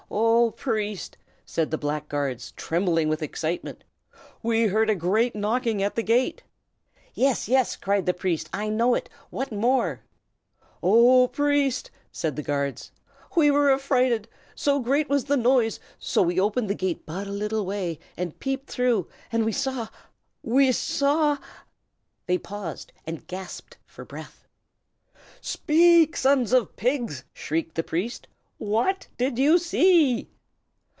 "O Priest!" said the black guards, trembling with excitement, "we heard a great knocking at the gate." "Yes, yes!" cried the priest, "I know it. What more?" "O Priest!" said the guards, "we were affrighted, so great was the noise; so we opened the gate but a little way, and peeped through; and we saw we saw " They paused, and gasped for breath. "Speak, sons of pigs!" shrieked the priest, "what did you see?"